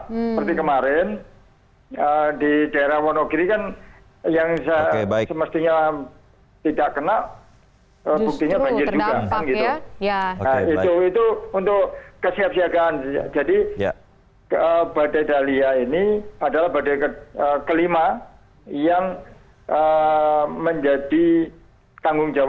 seperti kemarin di daerah wonogiri kan yang semestinya tidak kena mungkinnya banjir juga